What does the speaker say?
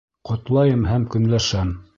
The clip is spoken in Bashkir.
Ҡотлайым һәм көнләшәм.